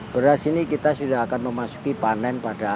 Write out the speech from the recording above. beras ini kita sudah akan memasuki panen pada